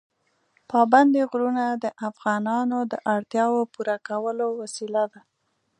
پابندي غرونه د افغانانو د اړتیاوو پوره کولو وسیله ده.